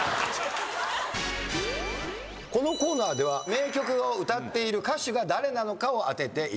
このコーナーでは名曲を歌っている歌手が誰なのかを当てていただきます。